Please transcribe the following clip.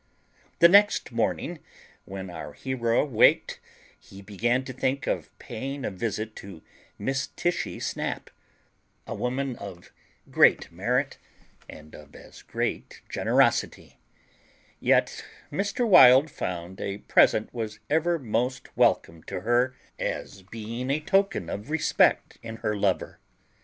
The next morning when our hero waked he began to think of paying a visit to Miss Tishy Snap, a woman of great merit and of as great generosity; yet Mr. Wild found a present was ever most welcome to her, as being a token of respect in her lover.